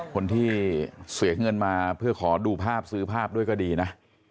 คนที่เสียเงินมาเพื่อขอดูภาพซื้อภาพด้วยก็ดีนะ